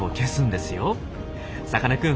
さかなクン